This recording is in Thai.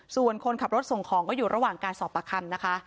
ส่วนคนขับรถส่งของก็อยู่ระหว่างการสอบประคำนะคะ